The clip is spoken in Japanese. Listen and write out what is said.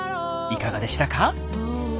いかがでしたか？